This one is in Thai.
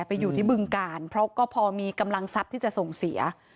ไปอยู่ที่บึงกาลเพราะก็พอมีกำลังทรัพย์ที่จะส่งเสีย